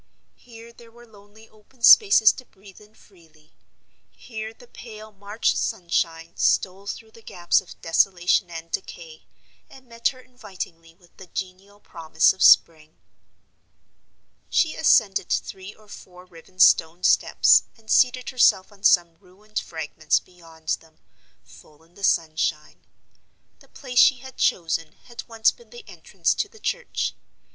Here there were lonely open spaces to breathe in freely; here the pale March sunshine stole through the gaps of desolation and decay, and met her invitingly with the genial promise of spring. She ascended three or four riven stone steps, and seated herself on some ruined fragments beyond them, full in the sunshine. The place she had chosen had once been the entrance to the church.